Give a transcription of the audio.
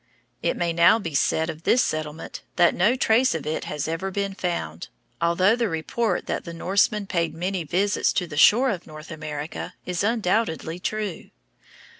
It may now be said of this settlement that no trace of it has ever been found, although the report that the Norsemen paid many visits to the shore of North America is undoubtedly true.